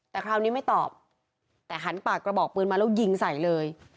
แต่คราวนี้ไม่ตอบแต่หันปากกระบอกปืนมาแล้วยิงใส่เลย